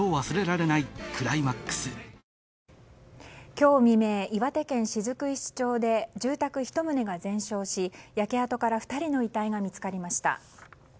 今日未明、岩手県雫石町で住宅１棟が全焼し焼け跡から２人の遺体が見つかりました。